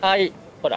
ほら。